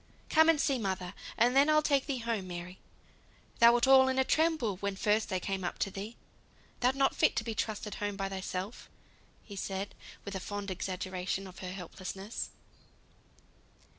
"Come and see mother, and then I'll take thee home, Mary. Thou wert all in a tremble when first I came up with thee; thou'rt not fit to be trusted home by thyself," said he, with fond exaggeration of her helplessness.